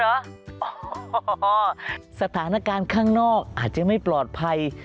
สถานการณ์ข้างนอกอาจจะไม่ปลอดภัย